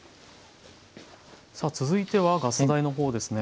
さあ続いてはガス台のほうですね。